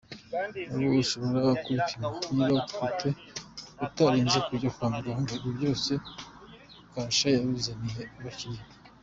Ubu ushobora kwipima niba utwite utarinze kujya kwa muganga, ibi byose Kasha yabizaniye abakiliya.